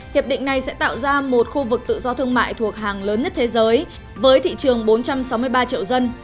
hiệp định này sẽ tạo ra một khu vực tự do thương mại thuộc hàng lớn nhất thế giới với thị trường bốn trăm sáu mươi ba triệu dân